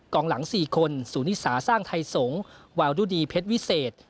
องหลัง๔คนสูนิสาสร้างไทยสงศ์วาวรุดีเพชรวิเศษ